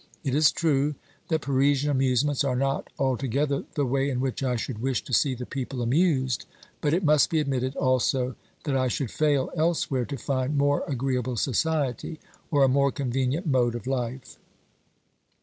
It is true that Parisian amusements are not altogether the way in which I should wish to see the people amused, but it must be admitted also that I should fail elsewhere to find more agreeable society or a more convenient mode of life.